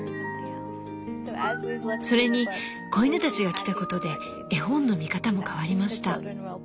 それに子犬たちが来たことで絵本の見方も変わりました。